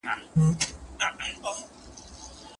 تاسي به په راتلونکي کي له ډېرو بېوزلو سره مرسته وکړئ.